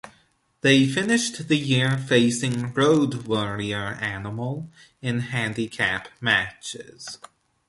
They finished the year facing Road Warrior Animal in handicap matches.